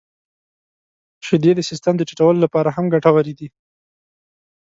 • شیدې د سیستم د ټيټولو لپاره هم ګټورې دي.